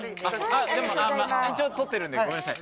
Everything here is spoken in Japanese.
一応撮ってるんでごめんなさい。